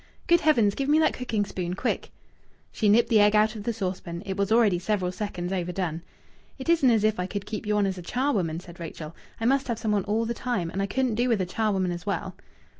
Good heavens! Give me that cooking spoon, quick!" She nipped the egg out of the saucepan; it was already several seconds overdone. "It isn't as if I could keep you on as a charwoman," said Rachel. "I must have some one all the time, and I couldn't do with a charwoman as well."